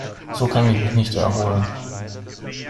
So kann ich mich nicht erholen.